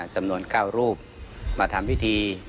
จำนวน๙รูปมาทำพิธี